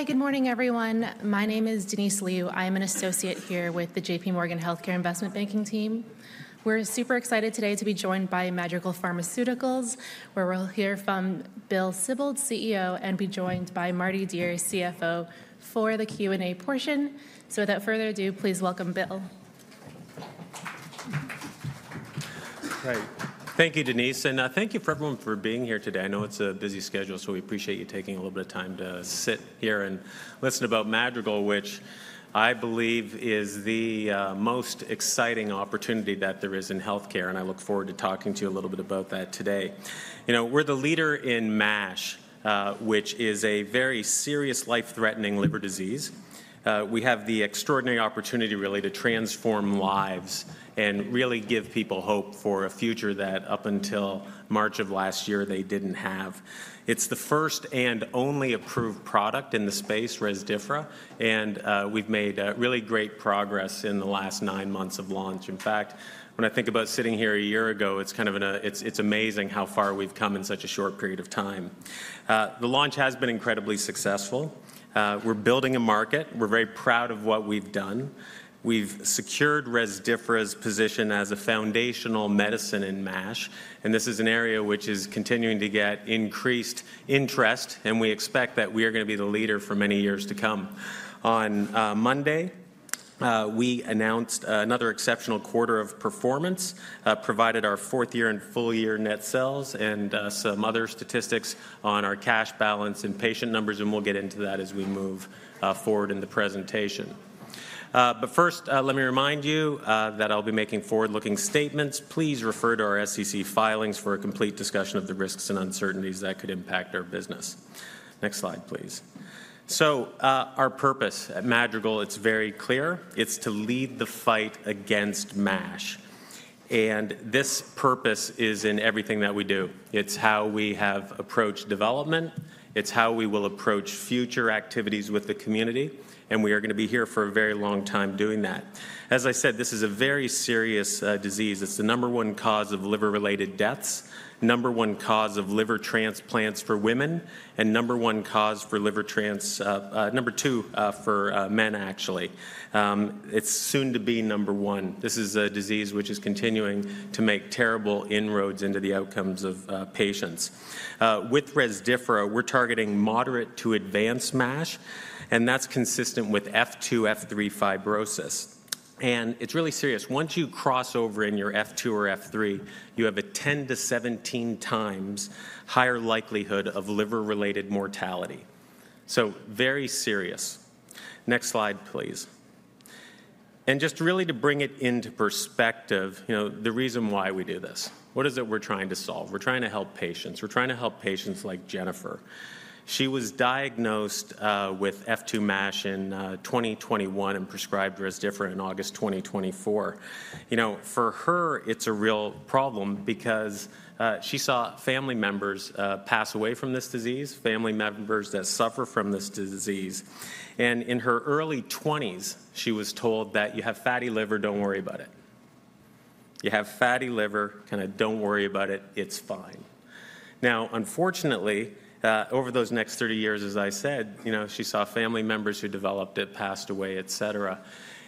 Hi, good morning, everyone. My name is Denise Liu. I am an associate here with the J.P. Morgan Healthcare Investment Banking team. We're super excited today to be joined by Madrigal Pharmaceuticals, where we'll hear from Bill Sibold, CEO, and be joined by Mardi Dier, CFO, for the Q&A portion. So without further ado, please welcome Bill. Great. Thank you, Denise, and thank you, everyone, for being here today. I know it's a busy schedule, so we appreciate you taking a little bit of time to sit here and listen about Madrigal, which I believe is the most exciting opportunity that there is in healthcare, and I look forward to talking to you a little bit about that today. You know, we're the leader in MASH, which is a very serious, life-threatening liver disease. We have the extraordinary opportunity really to transform lives and really give people hope for a future that, up until March of last year, they didn't have. It's the first and only approved product in the space, Rezdiffra, and we've made really great progress in the last nine months of launch. In fact, when I think about sitting here a year ago, it's kind of amazing how far we've come in such a short period of time. The launch has been incredibly successful. We're building a market. We're very proud of what we've done. We've secured Rezdiffra's position as a foundational medicine in MASH, and this is an area which is continuing to get increased interest, and we expect that we are going to be the leader for many years to come. On Monday, we announced another exceptional quarter of performance, provided our fourth quarter and full-year net sales, and some other statistics on our cash balance and patient numbers, and we'll get into that as we move forward in the presentation, but first, let me remind you that I'll be making forward-looking statements. Please refer to our SEC filings for a complete discussion of the risks and uncertainties that could impact our business. Next slide, please. So our purpose at Madrigal, it's very clear. It's to lead the fight against MASH. And this purpose is in everything that we do. It's how we have approached development. It's how we will approach future activities with the community. And we are going to be here for a very long time doing that. As I said, this is a very serious disease. It's the number one cause of liver-related deaths, number one cause of liver transplants for women, and number one cause for liver trans—number two for men, actually. It's soon to be number one. This is a disease which is continuing to make terrible inroads into the outcomes of patients. With Rezdiffra, we're targeting moderate to advanced MASH, and that's consistent with F2, F3 fibrosis. And it's really serious. Once you cross over in your F2 or F3, you have a 10-17 times higher likelihood of liver-related mortality. So very serious. Next slide, please. And just really to bring it into perspective, you know, the reason why we do this, what is it we're trying to solve? We're trying to help patients. We're trying to help patients like Jennifer. She was diagnosed with F2 MASH in 2021 and prescribed Rezdiffra in August 2024. You know, for her, it's a real problem because she saw family members pass away from this disease, family members that suffer from this disease. And in her early 20s, she was told that, "You have fatty liver, don't worry about it. You have fatty liver, kind of don't worry about it, it's fine." Now, unfortunately, over those next 30 years, as I said, you know, she saw family members who developed it passed away, et cetera,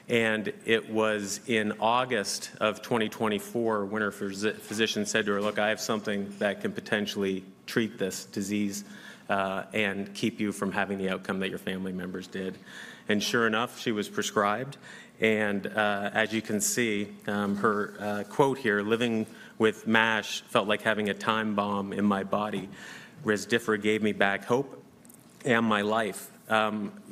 and it was in August of 2024 when her physician said to her, "Look, I have something that can potentially treat this disease and keep you from having the outcome that your family members did." And sure enough, she was prescribed. And as you can see, her quote here, "Living with MASH felt like having a time bomb in my body. Rezdiffra gave me back hope and my life."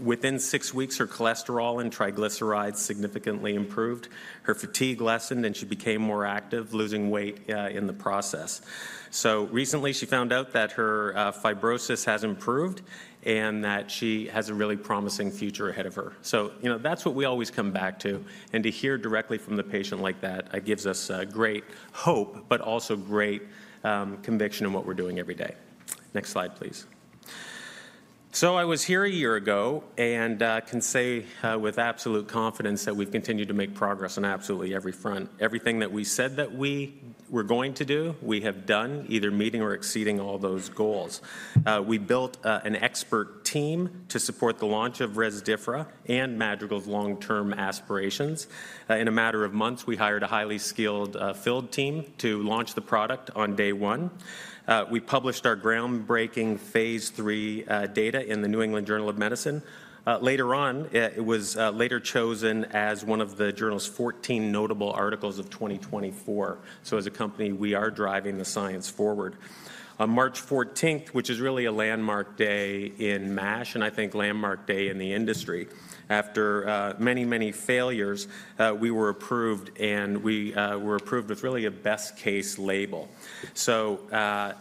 Within six weeks, her cholesterol and triglycerides significantly improved. Her fatigue lessened, and she became more active, losing weight in the process, so recently, she found out that her fibrosis has improved and that she has a really promising future ahead of her. You know, that's what we always come back to. To hear directly from the patient like that, it gives us great hope, but also great conviction in what we're doing every day. Next slide, please. I was here a year ago and can say with absolute confidence that we've continued to make progress on absolutely every front. Everything that we said that we were going to do, we have done, either meeting or exceeding all those goals. We built an expert team to support the launch of Rezdiffra and Madrigal's long-term aspirations. In a matter of months, we hired a highly skilled field team to launch the product on day one. We published our groundbreaking phase three data in the New England Journal of Medicine. Later on, it was chosen as one of the journal's 14 notable articles of 2024. So as a company, we are driving the science forward. On March 14th, which is really a landmark day in MASH, and I think landmark day in the industry, after many, many failures, we were approved, and we were approved with really a best-case label. So,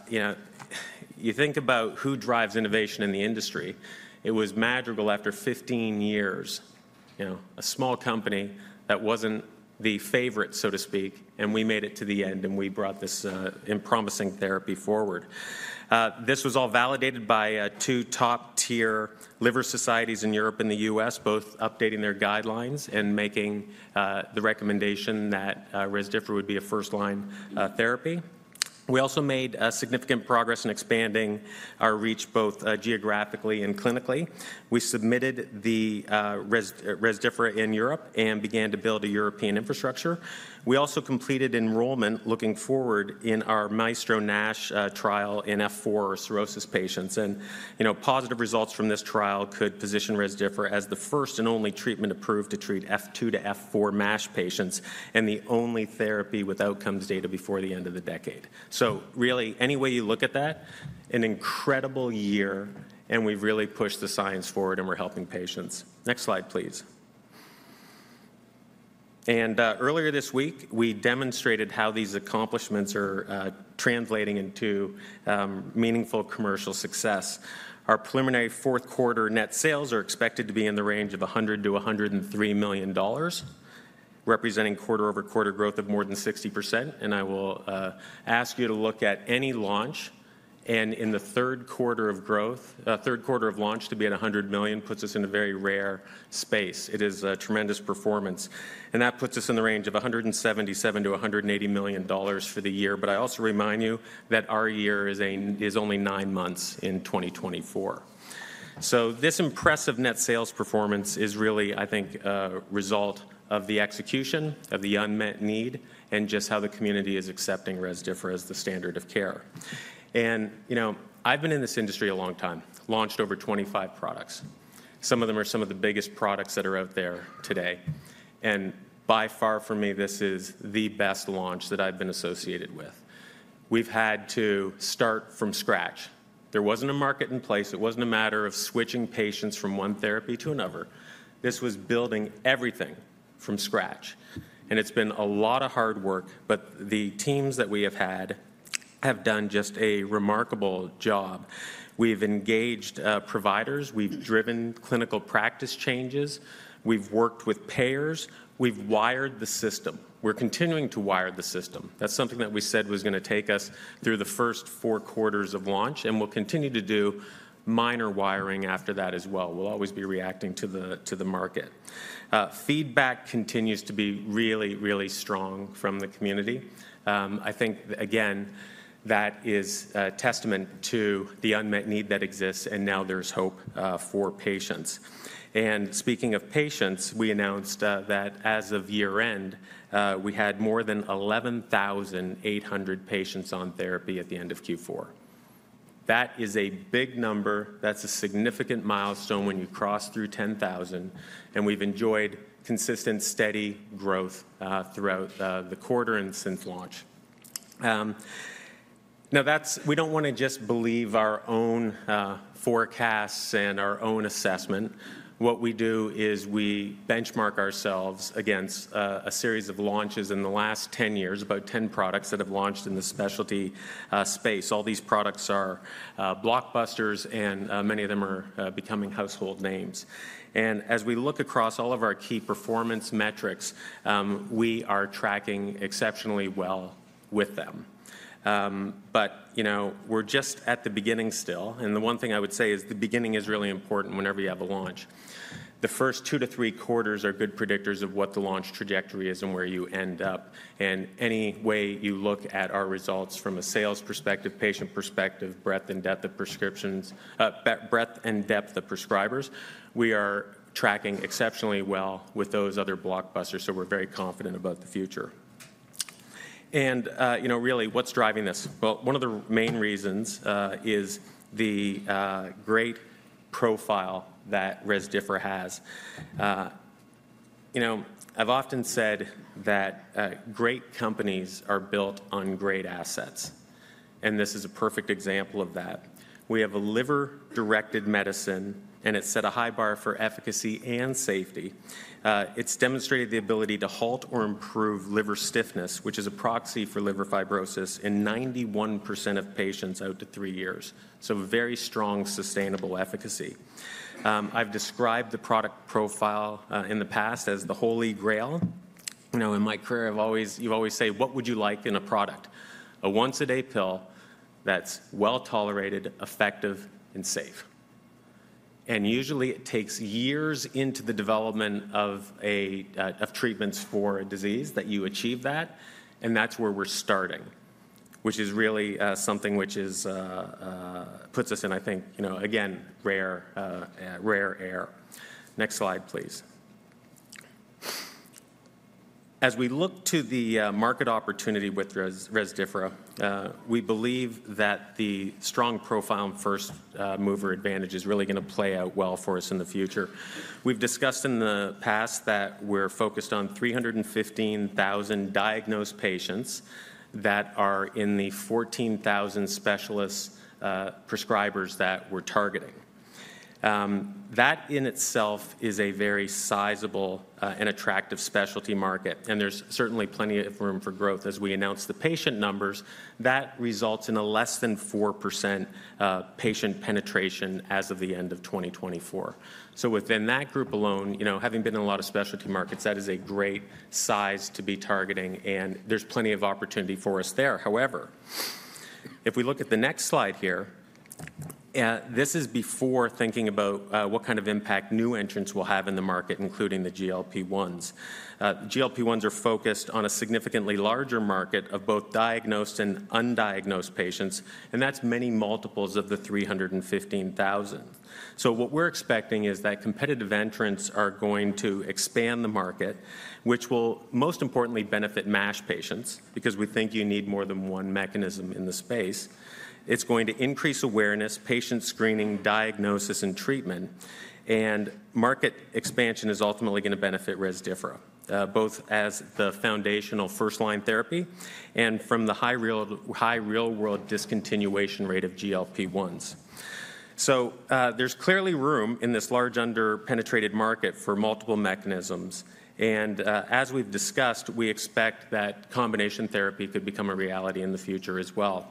you know, you think about who drives innovation in the industry. It was Madrigal after 15 years, you know, a small company that wasn't the favorite, so to speak, and we made it to the end, and we brought this promising therapy forward. This was all validated by two top-tier liver societies in Europe and the U.S., both updating their guidelines and making the recommendation that Rezdiffra would be a first-line therapy. We also made significant progress in expanding our reach both geographically and clinically. We submitted the Rezdiffra in Europe and began to build a European infrastructure. We also completed enrollment looking forward in our Maestro-NASH trial in F4 cirrhosis patients, and you know, positive results from this trial could position Rezdiffra as the first and only treatment approved to treat F2-F4 MASH patients and the only therapy with outcomes data before the end of the decade, so really, any way you look at that, an incredible year, and we've really pushed the science forward and we're helping patients. Next slide, please, and earlier this week, we demonstrated how these accomplishments are translating into meaningful commercial success. Our preliminary fourth-quarter net sales are expected to be in the range of $100-$103 million, representing quarter-over-quarter growth of more than 60%, and I will ask you to look at any launch, and in the third quarter of growth, third quarter of launch to be at $100 million puts us in a very rare space. It is a tremendous performance. And that puts us in the range of $177-$180 million for the year. But I also remind you that our year is only nine months in 2024. So this impressive net sales performance is really, I think, a result of the execution, of the unmet need, and just how the community is accepting Rezdiffra as the standard of care. And, you know, I've been in this industry a long time, launched over 25 products. Some of them are some of the biggest products that are out there today. And by far for me, this is the best launch that I've been associated with. We've had to start from scratch. There wasn't a market in place. It wasn't a matter of switching patients from one therapy to another. This was building everything from scratch. It's been a lot of hard work, but the teams that we have had have done just a remarkable job. We've engaged providers. We've driven clinical practice changes. We've worked with payers. We've wired the system. We're continuing to wire the system. That's something that we said was going to take us through the first four quarters of launch, and we'll continue to do minor wiring after that as well. We'll always be reacting to the market. Feedback continues to be really, really strong from the community. I think, again, that is a testament to the unmet need that exists, and now there's hope for patients. Speaking of patients, we announced that as of year-end, we had more than 11,800 patients on therapy at the end of Q4. That is a big number. That's a significant milestone when you cross through 10,000. We've enjoyed consistent, steady growth throughout the quarter and since launch. Now, that's, we don't want to just believe our own forecasts and our own assessment. What we do is we benchmark ourselves against a series of launches in the last 10 years, about 10 products that have launched in the specialty space. All these products are blockbusters, and many of them are becoming household names. And as we look across all of our key performance metrics, we are tracking exceptionally well with them. But, you know, we're just at the beginning still. And the one thing I would say is the beginning is really important whenever you have a launch. The first two to three quarters are good predictors of what the launch trajectory is and where you end up. Any way you look at our results from a sales perspective, patient perspective, breadth and depth of prescriptions, breadth and depth of prescribers, we are tracking exceptionally well with those other blockbusters. We're very confident about the future. You know, really, what's driving this? One of the main reasons is the great profile that Rezdiffra has. You know, I've often said that great companies are built on great assets. This is a perfect example of that. We have a liver-directed medicine, and it set a high bar for efficacy and safety. It's demonstrated the ability to halt or improve liver stiffness, which is a proxy for liver fibrosis, in 91% of patients out to three years. Very strong, sustainable efficacy. I've described the product profile in the past as the Holy Grail. You know, in my career, you always say, "What would you like in a product?" A once-a-day pill that's well-tolerated, effective, and safe. Usually, it takes years into the development of treatments for a disease that you achieve that. That's where we're starting, which is really something which puts us in, I think, you know, again, rare air. Next slide, please. As we look to the market opportunity with Rezdiffra, we believe that the strong profile and first-mover advantage is really going to play out well for us in the future. We've discussed in the past that we're focused on 315,000 diagnosed patients that are in the 14,000 specialist prescribers that we're targeting. That in itself is a very sizable and attractive specialty market. There's certainly plenty of room for growth. As we announced the patient numbers, that results in a less than 4% patient penetration as of the end of 2024. So within that group alone, you know, having been in a lot of specialty markets, that is a great size to be targeting. And there's plenty of opportunity for us there. However, if we look at the next slide here, this is before thinking about what kind of impact new entrants will have in the market, including the GLP-1s. GLP-1s are focused on a significantly larger market of both diagnosed and undiagnosed patients. And that's many multiples of the 315,000. So what we're expecting is that competitive entrants are going to expand the market, which will most importantly benefit MASH patients because we think you need more than one mechanism in the space. It's going to increase awareness, patient screening, diagnosis, and treatment. And market expansion is ultimately going to benefit Rezdiffra, both as the foundational first-line therapy and from the high real-world discontinuation rate of GLP-1s. So there's clearly room in this large under-penetrated market for multiple mechanisms. And as we've discussed, we expect that combination therapy could become a reality in the future as well.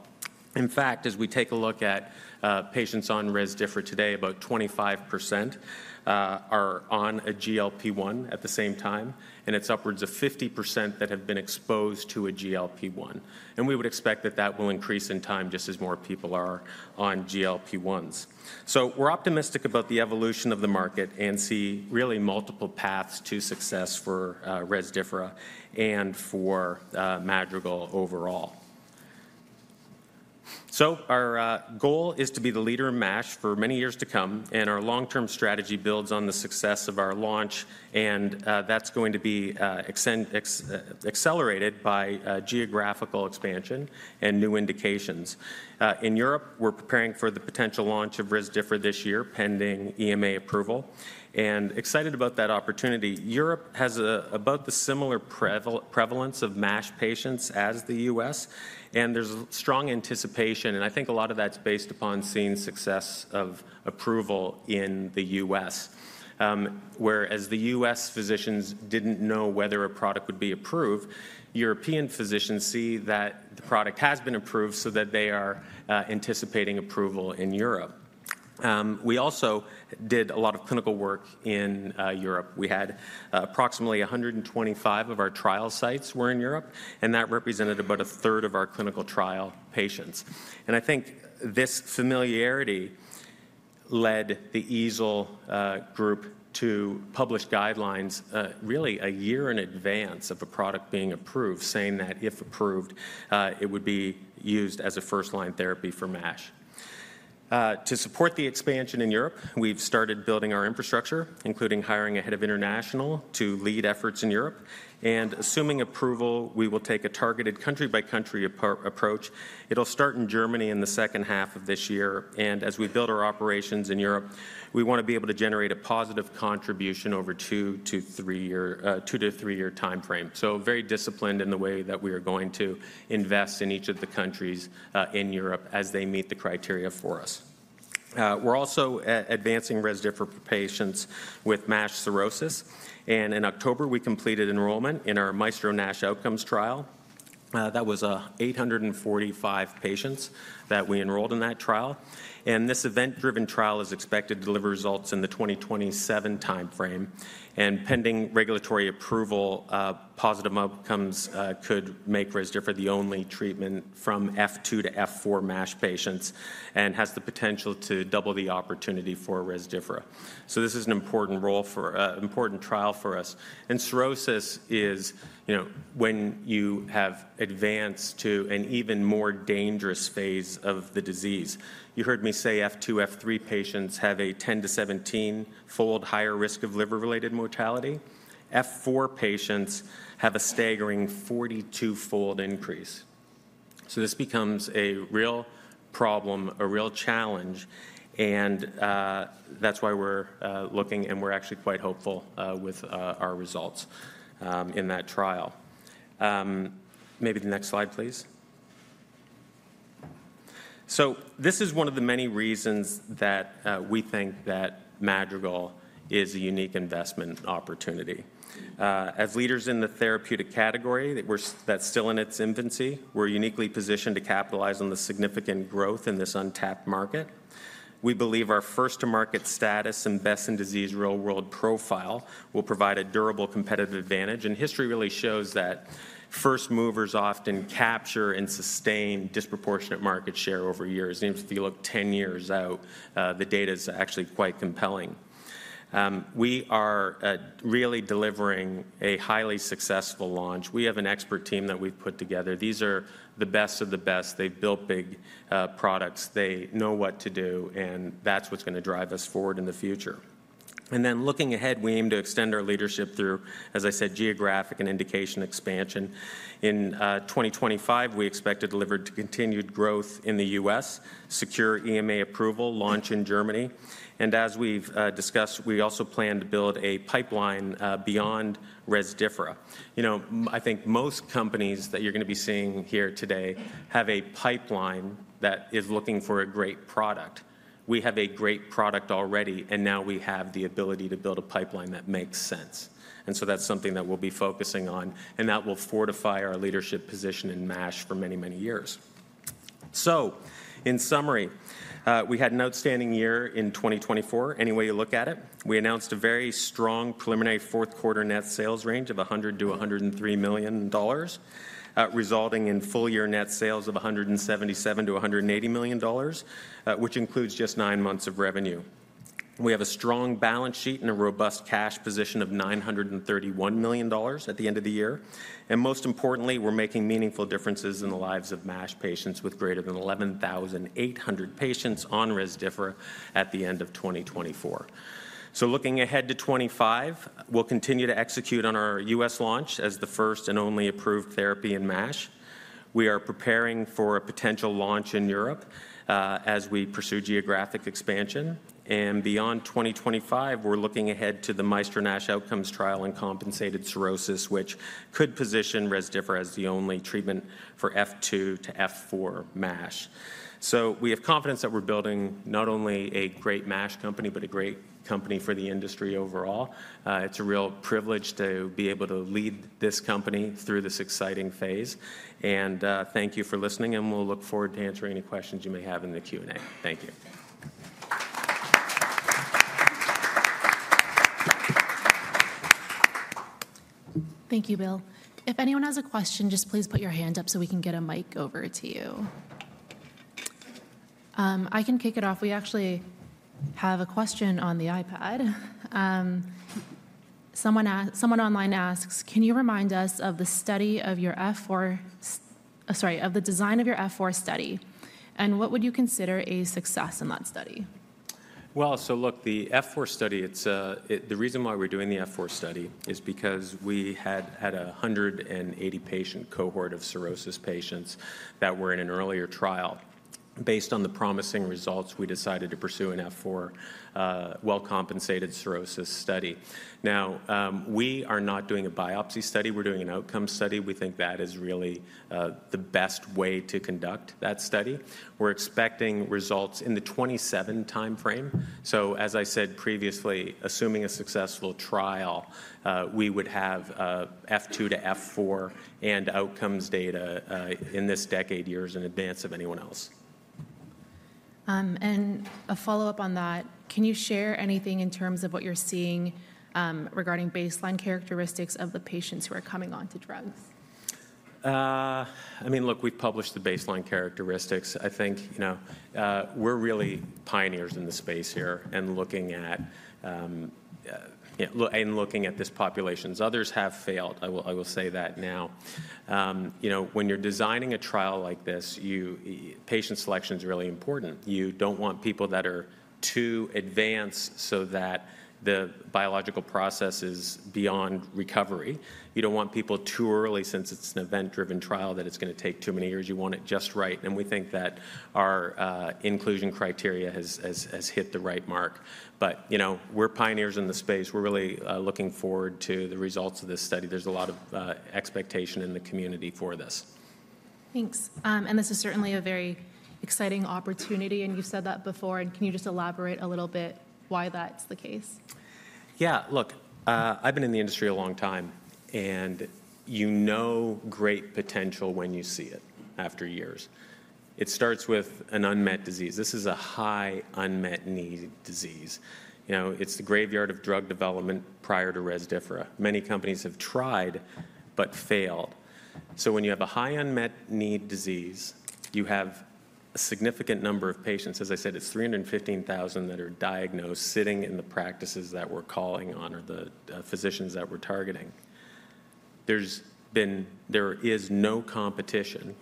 In fact, as we take a look at patients on Rezdiffra today, about 25% are on a GLP-1 at the same time. And it's upwards of 50% that have been exposed to a GLP-1. And we would expect that that will increase in time just as more people are on GLP-1s. So we're optimistic about the evolution of the market and see really multiple paths to success for Rezdiffra and for Madrigal overall. So our goal is to be the leader in MASH for many years to come. Our long-term strategy builds on the success of our launch. That's going to be accelerated by geographical expansion and new indications. In Europe, we're preparing for the potential launch of Rezdiffra this year pending EMA approval, and excited about that opportunity. Europe has about the similar prevalence of MASH patients as the U.S. There's a strong anticipation. I think a lot of that's based upon seeing success of approval in the U.S., whereas the U.S. physicians didn't know whether a product would be approved. European physicians see that the product has been approved so that they are anticipating approval in Europe. We also did a lot of clinical work in Europe. We had approximately 125 of our trial sites were in Europe. That represented about a third of our clinical trial patients. I think this familiarity led the EASL group to publish guidelines really a year in advance of a product being approved, saying that if approved, it would be used as a first-line therapy for MASH. To support the expansion in Europe, we've started building our infrastructure, including hiring a head of international to lead efforts in Europe. Assuming approval, we will take a targeted country-by-country approach. It'll start in Germany in the second half of this year. As we build our operations in Europe, we want to be able to generate a positive contribution over a two to three-year time frame. Very disciplined in the way that we are going to invest in each of the countries in Europe as they meet the criteria for us. We're also advancing Rezdiffra for patients with MASH cirrhosis. In October, we completed enrollment in our Maestro-NASH outcomes trial. That was 845 patients that we enrolled in that trial. This event-driven trial is expected to deliver results in the 2027 time frame. Pending regulatory approval, positive outcomes could make Rezdiffra the only treatment from F2-F4 MASH patients and has the potential to double the opportunity for Rezdiffra. This is an important role for an important trial for us. Cirrhosis is, you know, when you have advanced to an even more dangerous phase of the disease. You heard me say F2, F3 patients have a 10- to 17-fold higher risk of liver-related mortality. F4 patients have a staggering 42-fold increase. This becomes a real problem, a real challenge. That's why we're looking, and we're actually quite hopeful with our results in that trial. Maybe the next slide, please. So this is one of the many reasons that we think that Madrigal is a unique investment opportunity. As leaders in the therapeutic category that's still in its infancy, we're uniquely positioned to capitalize on the significant growth in this untapped market. We believe our first-to-market status and best-in-disease real-world profile will provide a durable competitive advantage. And history really shows that first movers often capture and sustain disproportionate market share over years. If you look 10 years out, the data is actually quite compelling. We are really delivering a highly successful launch. We have an expert team that we've put together. These are the best of the best. They've built big products. They know what to do. And that's what's going to drive us forward in the future. And then looking ahead, we aim to extend our leadership through, as I said, geographic and indication expansion. In 2025, we expect to deliver continued growth in the U.S., secure EMA approval, launch in Germany, and as we've discussed, we also plan to build a pipeline beyond Rezdiffra. You know, I think most companies that you're going to be seeing here today have a pipeline that is looking for a great product. We have a great product already, and now we have the ability to build a pipeline that makes sense, and so that's something that we'll be focusing on. And that will fortify our leadership position in MASH for many, many years, so in summary, we had an outstanding year in 2024. Any way you look at it, we announced a very strong preliminary fourth-quarter net sales range of $100-$103 million, resulting in full-year net sales of $177-$180 million, which includes just nine months of revenue. We have a strong balance sheet and a robust cash position of $931 million at the end of the year. Most importantly, we're making meaningful differences in the lives of MASH patients with greater than 11,800 patients on Rezdiffra at the end of 2024. Looking ahead to 25, we'll continue to execute on our U.S. launch as the first and only approved therapy in MASH. We are preparing for a potential launch in Europe as we pursue geographic expansion. Beyond 2025, we're looking ahead to the Maestro-NASH outcomes trial and compensated cirrhosis, which could position Rezdiffra as the only treatment for F2-F4 MASH. We have confidence that we're building not only a great MASH company, but a great company for the industry overall. It's a real privilege to be able to lead this company through this exciting phase. Thank you for listening. And we'll look forward to answering any questions you may have in the Q&A. Thank you. Thank you, Bill. If anyone has a question, just please put your hand up so we can get a mic over to you. I can kick it off. We actually have a question on the iPad. Someone online asks, "Can you remind us of the study of your F4, sorry, of the design of your F4 study? And what would you consider a success in that study? " Well, so look, the F4 study, the reason why we're doing the F4 study is because we had a 180-patient cohort of cirrhosis patients that were in an earlier trial. Based on the promising results, we decided to pursue an F4 well-compensated cirrhosis study. Now, we are not doing a biopsy study. We're doing an outcome study. We think that is really the best way to conduct that study. We're expecting results in the 2027 time frame. So as I said previously, assuming a successful trial, we would have F2 to F4 and outcomes data in this decade, years in advance of anyone else. And a follow-up on that, can you share anything in terms of what you're seeing regarding baseline characteristics of the patients who are coming onto drugs? I mean, look, we've published the baseline characteristics. I think, you know, we're really pioneers in the space here and looking at this population. Others have failed. I will say that now. You know, when you're designing a trial like this, patient selection is really important. You don't want people that are too advanced so that the biological process is beyond recovery. You don't want people too early since it's an event-driven trial that it's going to take too many years. You want it just right, and we think that our inclusion criteria has hit the right mark, but you know, we're pioneers in the space. We're really looking forward to the results of this study. There's a lot of expectation in the community for this. Thanks. This is certainly a very exciting opportunity, and you've said that before. Can you just elaborate a little bit why that's the case? Yeah, look, I've been in the industry a long time, and you know great potential when you see it after years. It starts with an unmet disease. This is a high unmet need disease. You know, it's the graveyard of drug development prior to Rezdiffra. Many companies have tried but failed. So when you have a high unmet need disease, you have a significant number of patients. As I said, it's 315,000 that are diagnosed sitting in the practices that we're calling on or the physicians that we're targeting. There is no competition.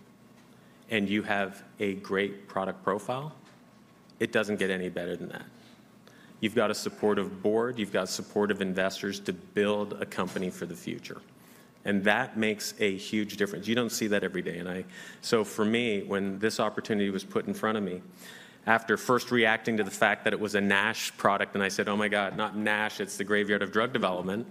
And you have a great product profile. It doesn't get any better than that. You've got a supportive board. You've got supportive investors to build a company for the future. And that makes a huge difference. You don't see that every day. For me, when this opportunity was put in front of me, after first reacting to the fact that it was a NASH product and I said, "Oh my God, not NASH, it's the graveyard of drug development,"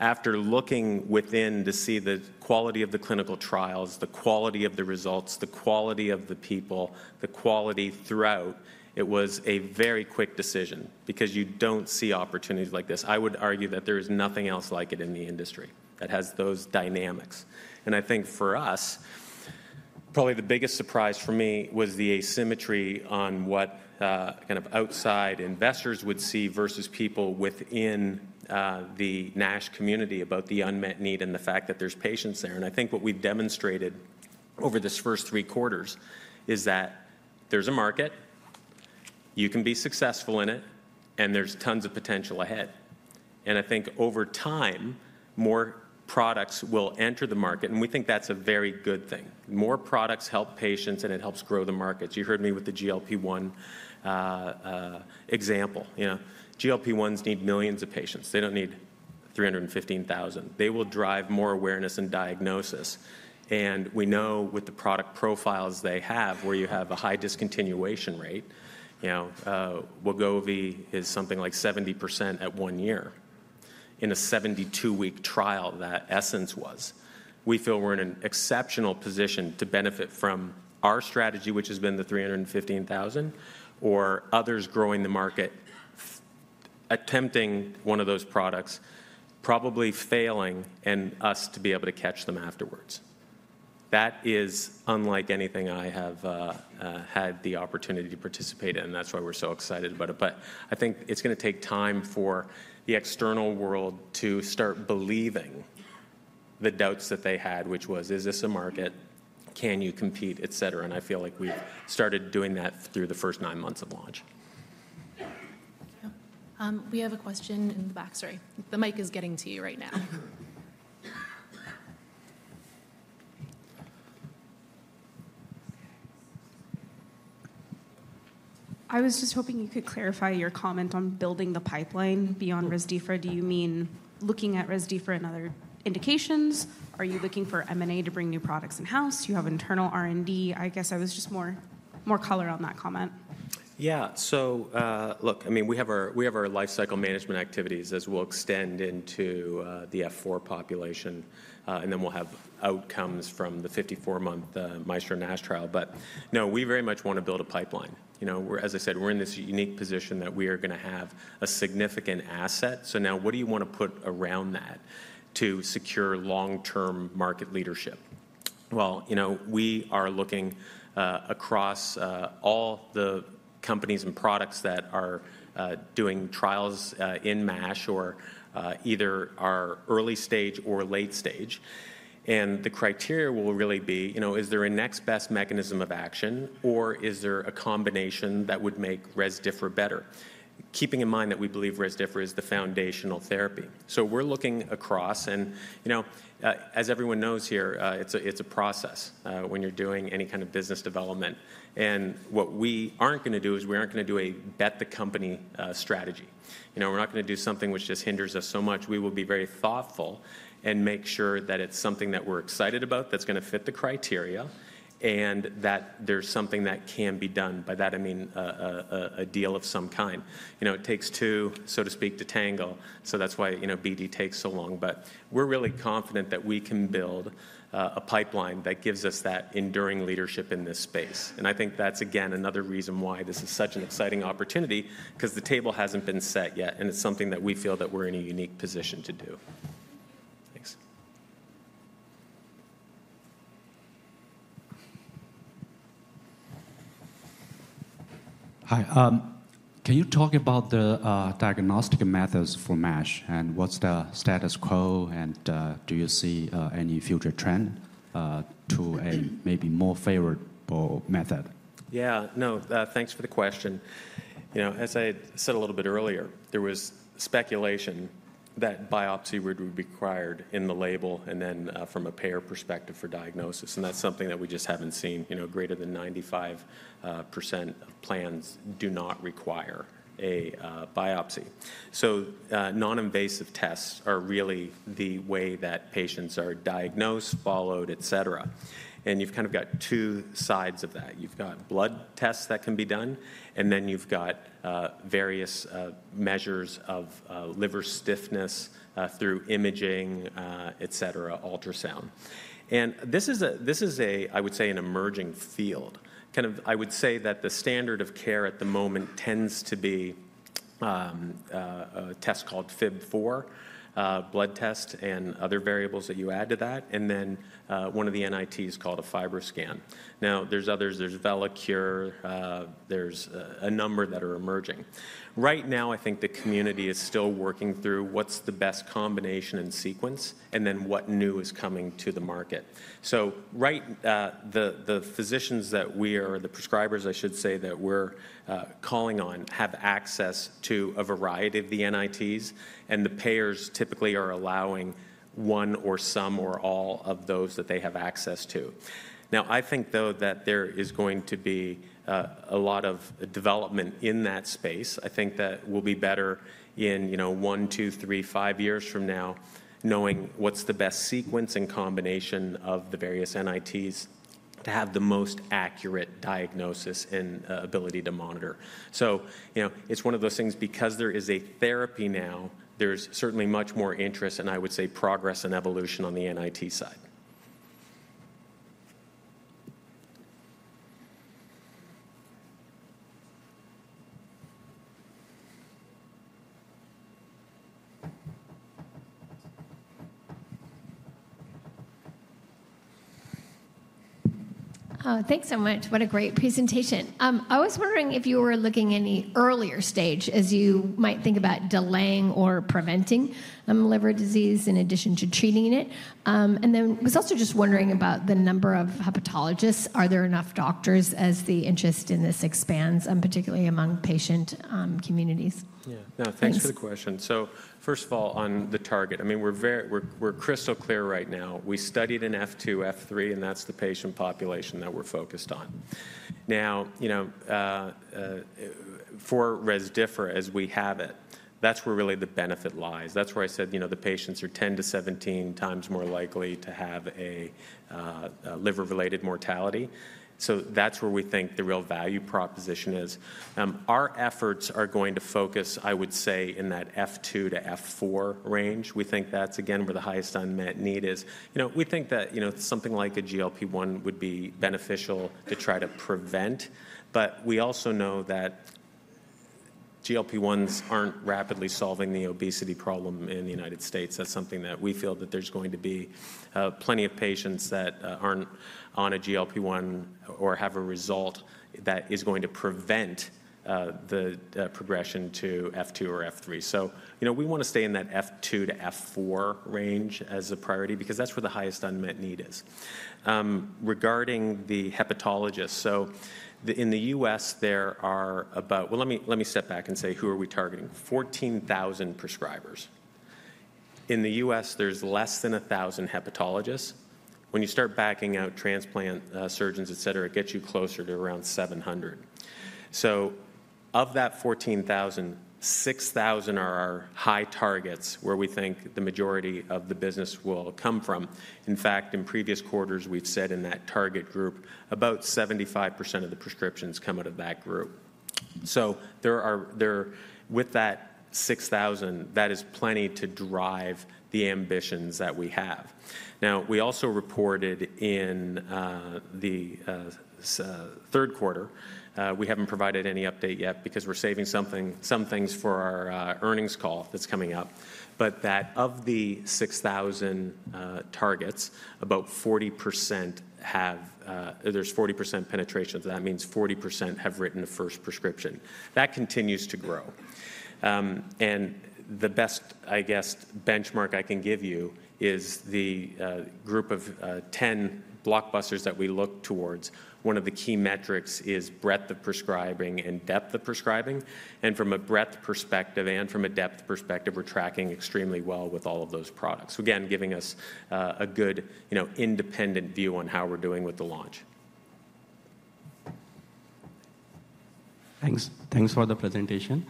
after looking within to see the quality of the clinical trials, the quality of the results, the quality of the people, the quality throughout, it was a very quick decision because you don't see opportunities like this. I would argue that there is nothing else like it in the industry that has those dynamics. I think for us, probably the biggest surprise for me was the asymmetry on what kind of outside investors would see versus people within the NASH community about the unmet need and the fact that there's patients there. I think what we've demonstrated over this first three quarters is that there's a market. You can be successful in it, and there's tons of potential ahead, and I think over time, more products will enter the market, and we think that's a very good thing. More products help patients, and it helps grow the markets. You heard me with the GLP-1 example. You know, GLP-1s need millions of patients. They don't need 315,000. They will drive more awareness and diagnosis, and we know with the product profiles they have, where you have a high discontinuation rate, you know, Wegovy is something like 70% at one year. In a 72-week trial, that, in essence, was. We feel we're in an exceptional position to benefit from our strategy, which has been the 315,000, or others growing the market, attempting one of those products, probably failing, and us to be able to catch them afterwards. That is unlike anything I have had the opportunity to participate in. And that's why we're so excited about it. But I think it's going to take time for the external world to start believing the doubts that they had, which was, is this a market? Can you compete? Et cetera. And I feel like we've started doing that through the first nine months of launch. We have a question in the back. Sorry. The mic is getting to you right now. I was just hoping you could clarify your comment on building the pipeline beyond Rezdiffra. Do you mean looking at Rezdiffra and other indications? Are you looking for M&A to bring new products in-house? You have internal R&D. I guess I was just more color on that comment. Yeah. So look, I mean, we have our lifecycle management activities as we'll extend into the F4 population. And then we'll have outcomes from the 54-month Maestro-NASH trial. But no, we very much want to build a pipeline. You know, as I said, we're in this unique position that we are going to have a significant asset. So now what do you want to put around that to secure long-term market leadership? Well, you know, we are looking across all the companies and products that are doing trials in MASH or either are early stage or late stage. And the criteria will really be, you know, is there a next best mechanism of action? Or is there a combination that would make Rezdiffra better? Keeping in mind that we believe Rezdiffra is the foundational therapy. So we're looking across. And, you know, as everyone knows here, it's a process when you're doing any kind of business development. And what we aren't going to do is we aren't going to do a bet-the-company strategy. You know, we're not going to do something which just hinders us so much. We will be very thoughtful and make sure that it's something that we're excited about that's going to fit the criteria and that there's something that can be done. By that, I mean a deal of some kind. You know, it takes two, so to speak, to tangle. So that's why, you know, BD takes so long. But we're really confident that we can build a pipeline that gives us that enduring leadership in this space. And I think that's, again, another reason why this is such an exciting opportunity because the table hasn't been set yet. And it's something that we feel that we're in a unique position to do. Thanks. Hi. Can you talk about the diagnostic methods for MASH and what's the status quo? And do you see any future trend to a maybe more favorable method? Yeah. No, thanks for the question. You know, as I said a little bit earlier, there was speculation that biopsy would be required in the label and then from a payer perspective for diagnosis. And that's something that we just haven't seen. You know, greater than 95% of plans do not require a biopsy. So non-invasive tests are really the way that patients are diagnosed, followed, et cetera. And you've kind of got two sides of that. You've got blood tests that can be done. And then you've got various measures of liver stiffness through imaging, et cetera, ultrasound. And this is a, I would say, an emerging field. Kind of, I would say that the standard of care at the moment tends to be a test called FIB-4, blood test and other variables that you add to that, and then one of the NITs called a FibroScan. Now, there's others. There's Velacur. There's a number that are emerging. Right now, I think the community is still working through what's the best combination and sequence and then what new is coming to the market. So right, the physicians that we are, the prescribers, I should say, that we're calling on have access to a variety of the NITs, and the payers typically are allowing one or some or all of those that they have access to. Now, I think, though, that there is going to be a lot of development in that space. I think that we'll be better in, you know, one, two, three, five years from now knowing what's the best sequence and combination of the various NITs to have the most accurate diagnosis and ability to monitor. So, you know, it's one of those things because there is a therapy now, there's certainly much more interest and I would say progress and evolution on the NIT side. Thanks so much. What a great presentation. I was wondering if you were looking at any earlier stage as you might think about delaying or preventing liver disease in addition to treating it. And then I was also just wondering about the number of hepatologists. Are there enough doctors as the interest in this expands, particularly among patient communities? Yeah. No, thanks for the question. So first of all, on the target, I mean, we're crystal clear right now. We studied in F2, F3, and that's the patient population that we're focused on. Now, you know, for Rezdiffra as we have it, that's where really the benefit lies. That's where I said, you know, the patients are 10-17 times more likely to have a liver-related mortality. So that's where we think the real value proposition is. Our efforts are going to focus, I would say, in that F2 to F4 range. We think that's, again, where the highest unmet need is. You know, we think that, you know, something like a GLP-1 would be beneficial to try to prevent. But we also know that GLP-1s aren't rapidly solving the obesity problem in the United States. That's something that we feel that there's going to be plenty of patients that aren't on a GLP-1 or have a result that is going to prevent the progression to F2 or F3. So, you know, we want to stay in that F2 to F4 range as a priority because that's where the highest unmet need is. Regarding the hepatologists, so in the U.S., there are about, well, let me step back and say who are we targeting? 14,000 prescribers. In the U.S., there's less than 1,000 hepatologists. When you start backing out transplant surgeons, et cetera, it gets you closer to around 700. So of that 14,000, 6,000 are our high targets where we think the majority of the business will come from. In fact, in previous quarters, we've said in that target group, about 75% of the prescriptions come out of that group. So there are, with that 6,000, that is plenty to drive the ambitions that we have. Now, we also reported in the third quarter. We haven't provided any update yet because we're saving some things for our earnings call that's coming up. But that of the 6,000 targets, about 40% have. There's 40% penetration. So that means 40% have written the first prescription. That continues to grow. And the best, I guess, benchmark I can give you is the group of 10 blockbusters that we look towards. One of the key metrics is breadth of prescribing and depth of prescribing. And from a breadth perspective and from a depth perspective, we're tracking extremely well with all of those products. Again, giving us a good, you know, independent view on how we're doing with the launch. Thanks. Thanks for the presentation.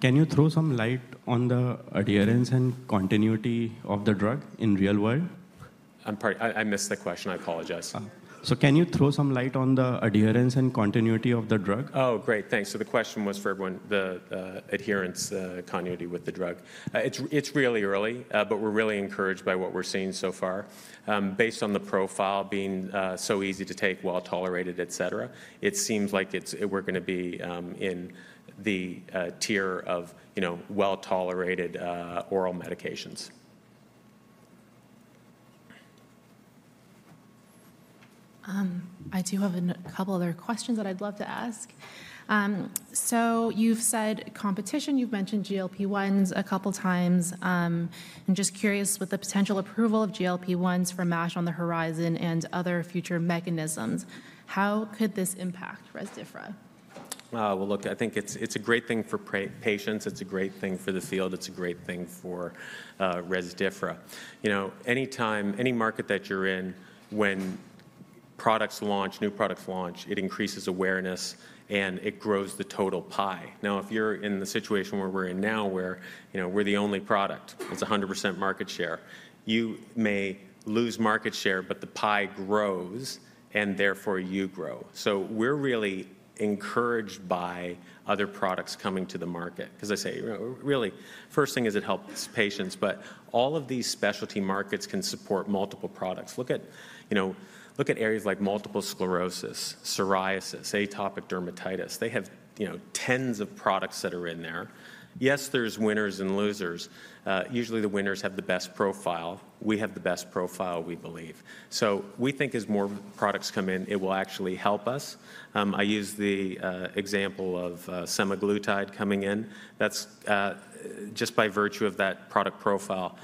Can you throw some light on the adherence and continuity of the drug in real world? I'm sorry. I missed the question. I apologize. So can you throw some light on the adherence and continuity of the drug? Oh, great. Thanks. So the question was for everyone, the adherence continuity with the drug. It's really early, but we're really encouraged by what we're seeing so far. Based on the profile being so easy to take, well tolerated, et cetera, it seems like we're going to be in the tier of, you know, well tolerated oral medications. I do have a couple other questions that I'd love to ask. So you've said competition. You've mentioned GLP-1s a couple of times. I'm just curious with the potential approval of GLP-1s for MASH on the horizon and other future mechanisms, how could this impact Rezdiffra? Well, look, I think it's a great thing for patients. It's a great thing for the field. It's a great thing for Rezdiffra. You know, any time, any market that you're in, when products launch, new products launch, it increases awareness and it grows the total pie. Now, if you're in the situation where we're in now where, you know, we're the only product, it's 100% market share. You may lose market share, but the pie grows and therefore you grow. So we're really encouraged by other products coming to the market. Because I say, you know, really, first thing is it helps patients. But all of these specialty markets can support multiple products. Look at, you know, look at areas like multiple sclerosis, psoriasis, atopic dermatitis. They have, you know, tens of products that are in there. Yes, there's winners and losers. Usually, the winners have the best profile. We have the best profile, we believe, so we think as more products come in, it will actually help us. I use the example of semaglutide coming in. That's just by virtue of that product profile.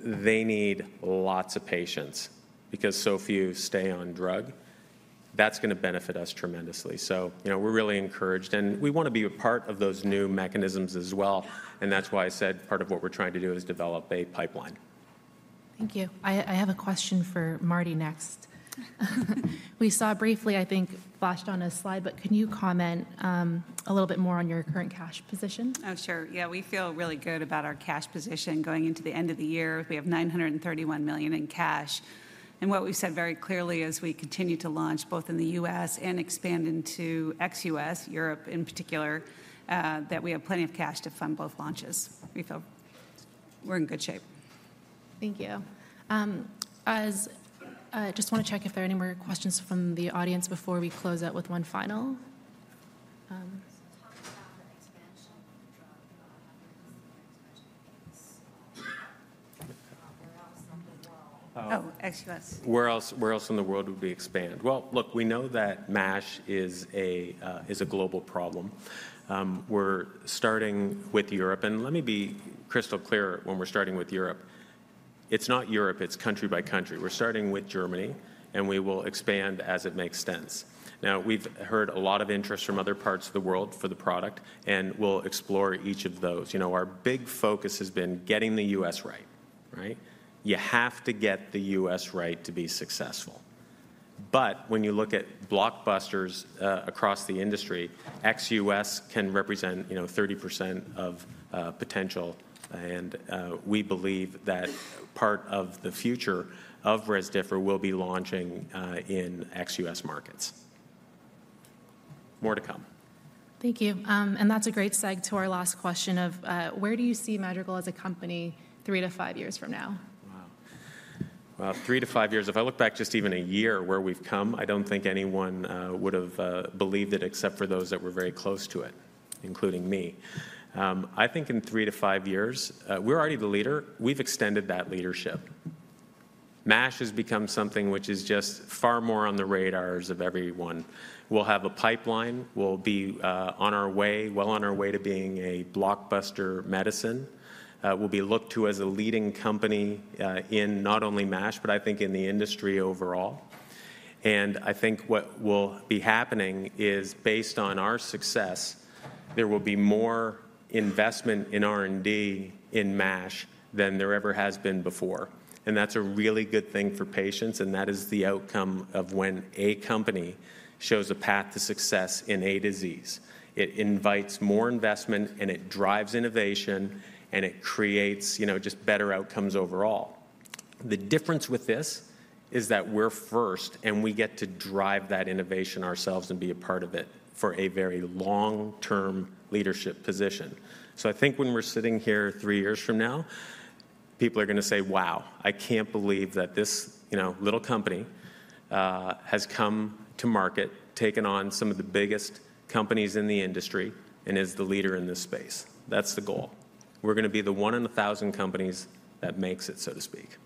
They need lots of patients because so few stay on drug. That's going to benefit us tremendously, so, you know, we're really encouraged and we want to be a part of those new mechanisms as well. And that's why I said part of what we're trying to do is develop a pipeline. Thank you. I have a question for Mardi next. We saw briefly, I think, flashed on a slide, but can you comment a little bit more on your current cash position? Oh, sure. Yeah. We feel really good about our cash position going into the end of the year. We have $931 million in cash. What we've said very clearly as we continue to launch both in the U.S. and expand into ex-U.S., Europe in particular, that we have plenty of cash to fund both launches. We feel we're in good shape. Thank you. I just want to check if there are any more questions from the audience before we close out with one final. Where else in the world? Oh, ex-U.S. Where else in the world would we expand? Look, we know that MASH is a global problem. We're starting with Europe. Let me be crystal clear when we're starting with Europe. It's not Europe. It's country by country. We're starting with Germany. We will expand as it makes sense. Now, we've heard a lot of interest from other parts of the world for the product. We'll explore each of those. You know, our big focus has been getting the U.S. right, right? You have to get the U.S. right to be successful. But when you look at blockbusters across the industry, ex-U.S. can represent, you know, 30% of potential. And we believe that part of the future of Rezdiffra will be launching in ex-U.S. markets. More to come. Thank you. And that's a great segue to our last question of where do you see Madrigal as a company three to five years from now? Wow. Well, three to five years, if I look back just even a year where we've come, I don't think anyone would have believed it except for those that were very close to it, including me. I think in three to five years, we're already the leader. We've extended that leadership. MASH has become something which is just far more on the radars of everyone. We'll have a pipeline. We'll be on our way, well on our way to being a blockbuster medicine. We'll be looked to as a leading company in not only MASH, but I think in the industry overall, and I think what will be happening is based on our success, there will be more investment in R&D in MASH than there ever has been before, and that's a really good thing for patients, and that is the outcome of when a company shows a path to success in a disease. It invites more investment, and it drives innovation, and it creates, you know, just better outcomes overall. The difference with this is that we're first, and we get to drive that innovation ourselves and be a part of it for a very long-term leadership position. So I think when we're sitting here three years from now, people are going to say, "Wow, I can't believe that this, you know, little company has come to market, taken on some of the biggest companies in the industry, and is the leader in this space." That's the goal. We're going to be the one in a thousand companies that makes it, so to speak.